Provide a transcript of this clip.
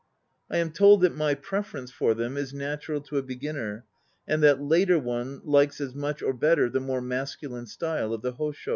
I am told that my preference for them is natural to a beginner and that later one likes as much, or belter, the more masculine style of the Hosho.